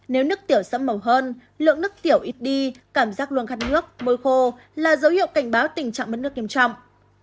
nếu nước tiểu sẫm màu hơn lượng nước tiểu ít đi cảm giác luôn khăn nước môi khô là dấu hiệu cảnh báo tình trạng mất nước nghiêm trọng